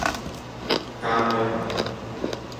K. Neumann.